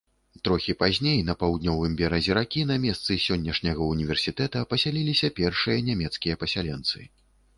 Трохі пазней на паўднёвым беразе ракі, на месцы сённяшняга ўніверсітэта, пасяліліся першыя нямецкія пасяленцы.